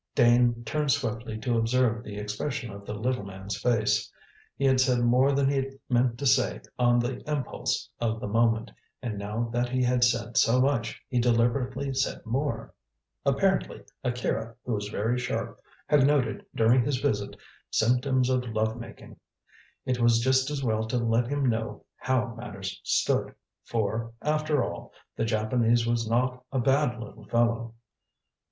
Dane turned swiftly to observe the expression of the little man's face. He had said more than he meant to say on the impulse of the moment, and now that he had said so much, he deliberately said more. Apparently Akira, who was very sharp, had noted, during his visit, symptoms of lovemaking. It was just as well to let him know how matters stood, for, after all, the Japanese was not a bad little fellow.